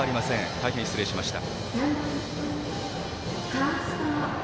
大変失礼しました。